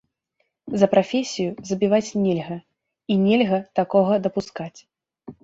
За прафесію забіваць нельга, і нельга такога дапускаць.